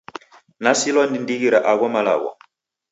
Nasilwa ni ndighi ra agho malagho.